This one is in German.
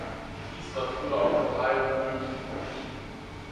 Dies war früher auch in Teilen Böhmens üblich.